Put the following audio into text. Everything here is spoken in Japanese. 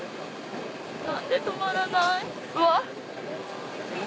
何で止まらないうわっ。